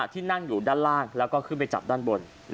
ที่นั่งอยู่ด้านล่างแล้วก็ขึ้นไปจับด้านบน